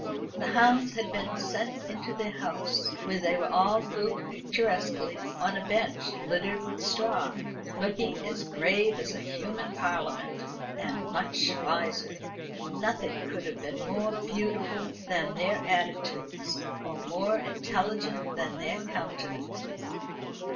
The hounds had been sent into their house, where they were all grouped picturesquely on a bench littered with straw, looking as grave as a human parliament, and much wiser. Nothing could be more beautiful than their attitudes, or more intelligent than their countenances.